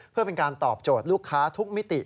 เพื่อเป็นการตอบโจทย์ลูกค้าทุกมิติ